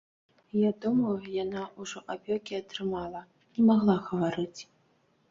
Я думаю, яна ўжо апёкі атрымала, не магла гаварыць.